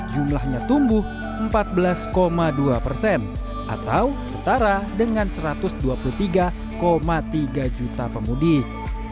dua ribu dua puluh tiga jumlahnya tumbuh empat belas dua persen atau setara dengan satu ratus dua puluh tiga tiga juta pemudik